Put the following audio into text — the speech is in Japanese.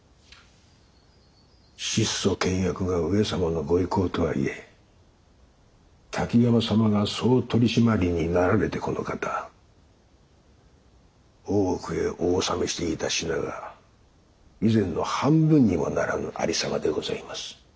質素倹約は上様のご意向とはいえ滝山様が総取締になられてこの方大奥へお納めしていた品が以前の半分にもならぬありさまでございます。